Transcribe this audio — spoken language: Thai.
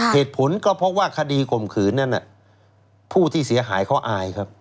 เหตุผลก็เพราะว่าคดีข่มขืนนั้นผู้ที่เสียหายเขาอายครับ